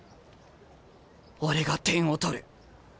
俺が点を取る。